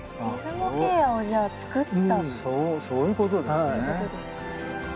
そうそういうことですね。